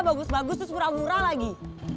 bagus bagus terus pura pura lagi